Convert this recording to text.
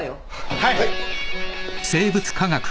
はい。